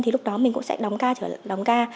thì lúc đó mình cũng sẽ đóng ca